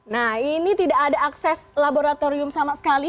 nah ini tidak ada akses laboratorium sama sekali